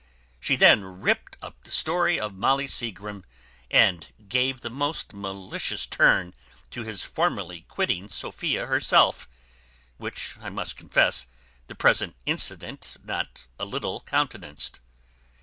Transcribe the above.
She then ripped up the story of Molly Seagrim, and gave the most malicious turn to his formerly quitting Sophia herself; which, I must confess, the present incident not a little countenanced.